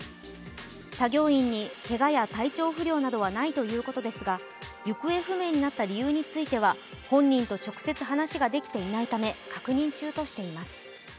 作業員にけがや体調不良などはないということですが、行方不明になった理由については、本人と直接話ができていないため確認中としています。